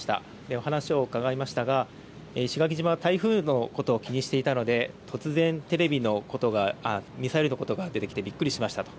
お話を伺いましたが、石垣島は台風のことを気にしていたので、突然、テレビのことが、ミサイルのことが出てきてびっくりしましたと。